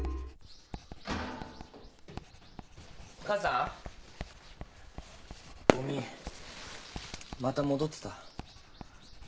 母さんごみまた戻ってた。